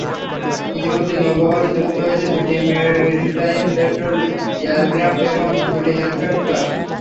ইতিমধ্যে নৌবহরে যুক্ত হয়েছে দুটি মেরিটাইম পেট্রোল এয়ারক্র্যাফট এবং দুটি হেলিকপ্টার।